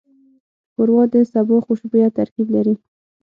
ښوروا د سبو خوشبویه ترکیب لري.